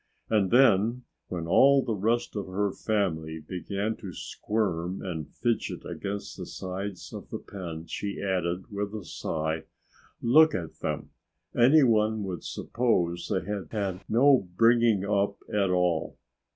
And then, when all the rest of her family began to squirm and fidget against the sides of the pen she added with a sigh, "Look at them! Anyone would suppose they had had no bringing up at all!"